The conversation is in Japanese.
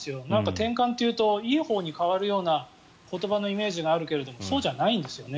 転換というといいほうに変わるような言葉のイメージがあるけどそうじゃないんですよね